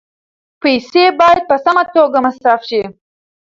پیسې باید په سمه توګه مصرف شي.